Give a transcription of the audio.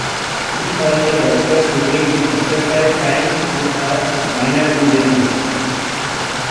He earned a bachelor's degree in exercise science with a minor in business.